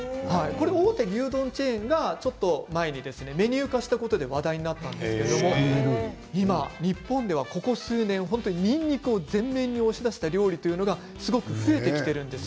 大手牛丼チェーンがちょっと前にメニュー化したことで話題になったんですけれども今、日本ではここ数年にんにくを全面に押し出した料理がすごく増えてきているんです。